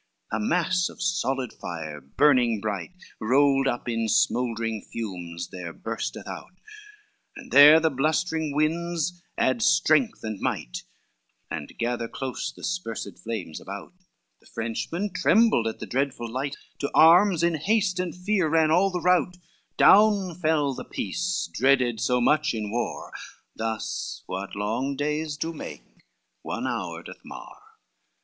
XLVI A mass of solid fire burning bright Rolled up in smouldering fumes, there bursteth out, And there the blustering winds add strength and might And gather close the sparsed flames about: The Frenchmen trembled at the dreadful light, To arms in haste and fear ran all the rout, Down fell the piece dreaded so much in war, Thus what long days do make one hour doth mar.